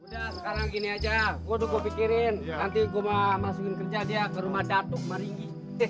udah sekarang gini aja waduh gue pikirin nanti gua masukin kerja dia ke rumah datuk meringi